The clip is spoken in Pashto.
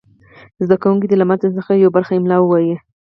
زده کوونکي دې له متن څخه یوه برخه املا ووایي.